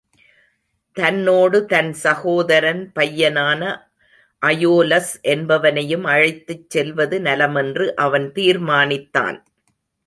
தன்னோடு தன் சகோதரன் பையனான அயோலஸ் என்பவனையும் அழைத்துச் செல்லுவது நலமென்று அவன் தீர்மானித்தான்.